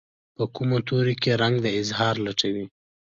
په کومو تورو کې رنګ د اظهار لټوي